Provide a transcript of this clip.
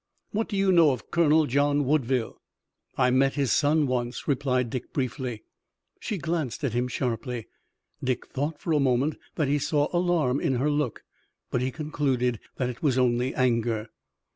What do you know of Colonel John Woodville?" "I met his son once," replied Dick briefly. She glanced at him sharply. Dick thought for a moment that he saw alarm in her look, but he concluded that it was only anger.